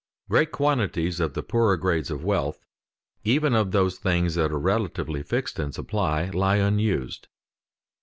_ Great quantities of the poorer grades of wealth, even of those things that are relatively fixed in supply, lie unused.